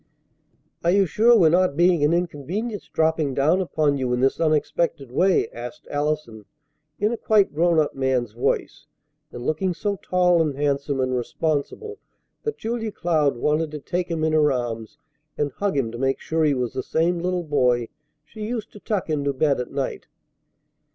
"And you're sure we're not being an inconvenience, dropping down upon you in this unexpected way?" asked Allison in a quite grown up man's voice, and looking so tall and handsome and responsible that Julia Cloud wanted to take him in her arms and hug him to make sure he was the same little boy she used to tuck into bed at night.